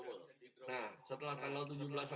tapi kondisi tidak bisa dipenuhi dan dipenuhi